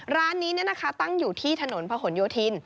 ร้านนี้ตั้งอยู่ที่ถนนพะหนโยธิน